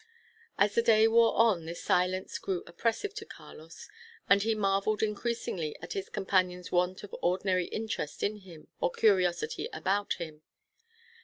As the day wore on, this silence grew oppressive to Carlos; and he marvelled increasingly at his companion's want of ordinary interest in him, or curiosity about him.